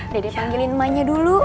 dede panggilin emaknya dulu